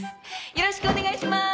よろしくお願いします！